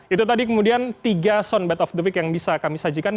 itu tadi kemudian tiga soundbat of the week yang bisa kami sajikan